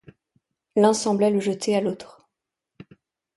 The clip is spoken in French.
L’un semblait le jeter à l’autre.